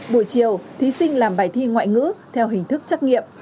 buổi chiều thí sinh làm bài thi ngoại ngữ theo hình thức trắc nghiệm